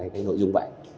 cái nội dung vậy